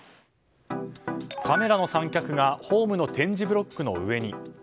カメラの三脚がホームの点字ブロックの上に。